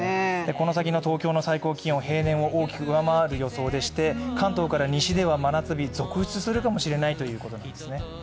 この先の東京の最高気温平年を大きく上回る予定でして関東から西では真夏日続出するかもしれないということなんですね。